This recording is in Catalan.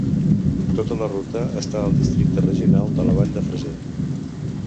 Tota la ruta està al Districte regional de la vall de Fraser.